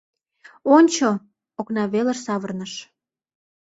Ончо! — окна велыш савырныш.